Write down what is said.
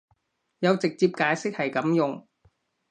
有直接解釋係噉用